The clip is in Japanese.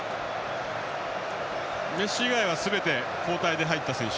メッシ以外はすべて交代で入った選手。